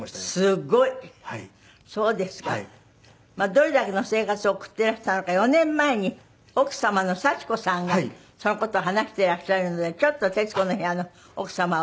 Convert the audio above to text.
どれだけの生活を送っていらしたのか４年前に奥様の佐智子さんがその事を話していらっしゃるのでちょっと『徹子の部屋』の奥様をご覧ください。